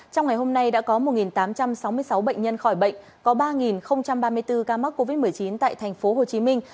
trong ngày hôm nay đã có một tám trăm sáu mươi sáu bệnh nhân khỏi bệnh có ba ba mươi bốn ca mắc covid một mươi chín tại thành phố hồ chí minh